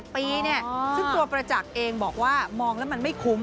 ปีเนี่ยซึ่งตัวประจักษ์เองบอกว่ามองแล้วมันไม่คุ้ม